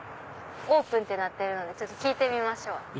オープンってなってるので聞いてみましょう。